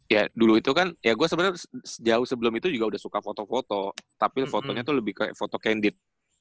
ya dulu itu kan ya gua sebenernya jauh sebelum itu juga udah suka foto foto tapi fotonya tuh lebih kayak foto candid